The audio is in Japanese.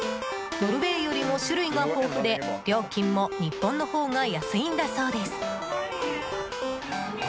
ノルウェーよりも種類が豊富で料金も日本のほうが安いんだそうです。